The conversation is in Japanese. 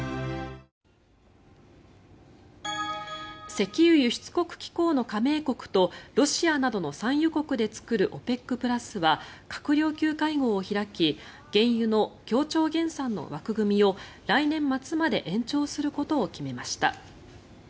石油輸出国機構の加盟国とロシアなどの産油国で作るＯＰＥＣプラスは閣僚級会合を開き原油の協調減産の枠組みを来年末まで延長することを決めました。